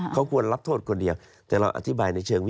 เขากลัวรับโทษคนเดียว